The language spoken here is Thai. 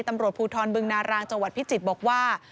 ตำรวจภูทรบึงนารางจังหวัดพิจิตรบอกว่า